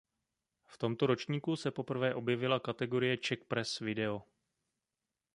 V tomto ročníku se poprvé objevila kategorie Czech Press Video.